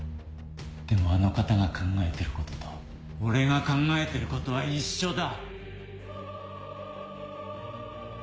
でもあの方が考えてることと俺が考えてることは一緒だ。